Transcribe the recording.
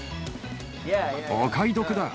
お買い得だ。